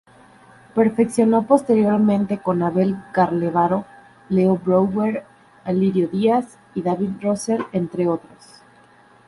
Perfeccionó posteriormente con Abel Carlevaro, Leo Brouwer, Alirio Díaz y David Russell, entre otros.